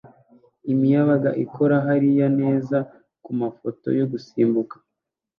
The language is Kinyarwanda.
Imiyabaga ikora hariya neza kumafoto yo gusimbuka